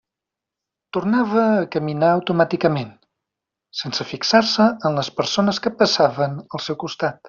Tornava a caminar automàticament, sense fixar-se en les persones que passaven al seu costat.